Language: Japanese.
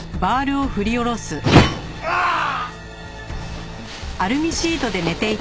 うああっ！